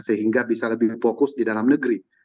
sehingga bisa lebih fokus di dalam negeri